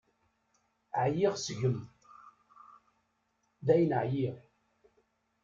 Ɛyiɣ seg-m, dayen ɛyiɣ.